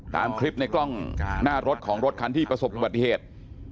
ตามคลิปในกล้องหน้ารถของรถคันที่ประสบอุบัติเหตุ